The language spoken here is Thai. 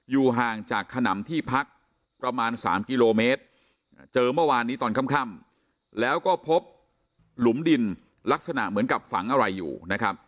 ห่างจากขนำที่พักประมาณ๓กิโลเมตรเจอเมื่อวานนี้ตอนค่ำแล้วก็พบหลุมดินลักษณะเหมือนกับฝังอะไรอยู่นะครับ